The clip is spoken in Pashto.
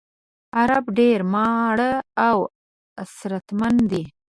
عرب ډېر ماړه او اسراتمن دي.